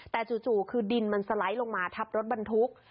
แต่จู่คือดินมันสไลด์ลงมาทับรถบรรทุก